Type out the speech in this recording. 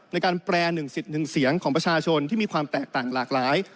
ในการแปรหนึ่งสิทธิ์หนึ่งเสียงของประชาชนที่มีความแตกต่างหลากหลาย